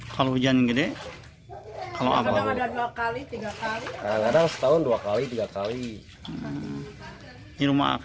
kalau hujan gini kalau abang ada dua kali tiga kali kadang setahun dua kali tiga kali di rumah